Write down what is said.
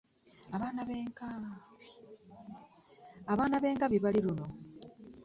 Abaana b'engabi bali luno!